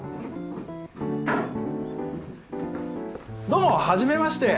どうも初めまして！